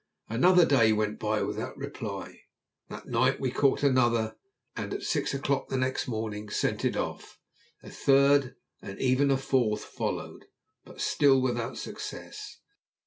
Another day went by without reply. That night we caught another, and at six o'clock next morning sent it off; a third, and even a fourth, followed, but still without success.